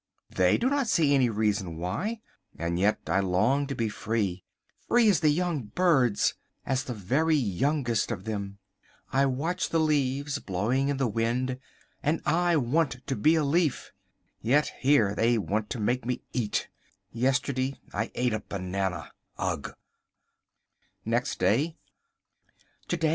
They do not see any reason why. And yet I long to be free, free as the young birds, as the very youngest of them. I watch the leaves blowing in the wind and I want to be a leaf. Yet here they want to make me eat! Yesterday I ate a banana! Ugh!